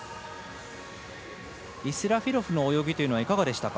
イスラフィロフの泳ぎはいかがでしたか？